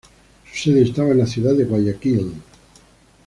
Su sede estaba en la ciudad de Guayaquil.